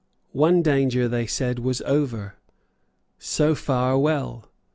One danger, they said, was over. So far well.